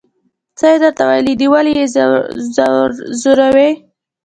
څه یې درته ویلي دي ولې یې ځوروئ.